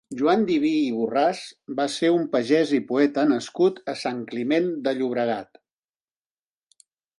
Joan Diví i Borràs va ser un pagès i poeta nascut a Sant Climent de Llobregat.